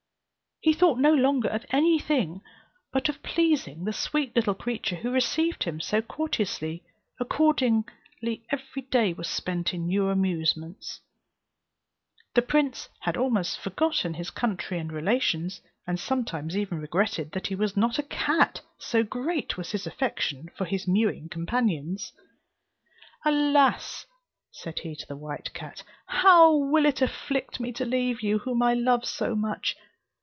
He thought no longer of any thing but of pleasing the sweet little creature who received him so courteously; accordingly every day was spent in new amusements. The prince had almost forgotten his country and relations, and sometimes even regretted that he was not a cat, so great was his affection for his mewing companions. "Alas!" said he to the white cat, "how will it afflict me to leave you whom I love so much!